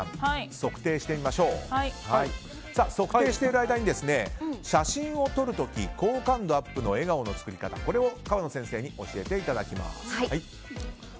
測定している間に、写真を撮る時好感度アップの笑顔の作り方を川野先生に教えていただきます。